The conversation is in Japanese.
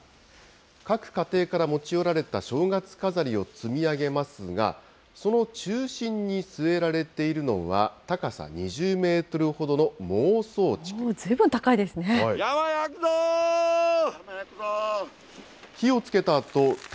各家庭から持ち寄られた正月飾りを積み上げますが、その中心に据えられているのは、高さ２０メートルほどのもうそう竹。